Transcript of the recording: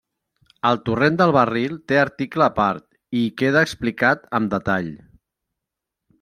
El Torrent del Barril té article a part, i hi queda explicat amb detall.